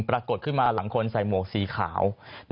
ปรากฏขึ้นมาหลังคนใส่หมวกสีขาว